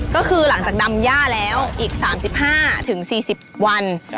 ก็คือหลังจากดำย่าแล้วอีก๓๕๔๐วัน